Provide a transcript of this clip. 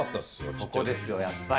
ここですよ、やっぱり。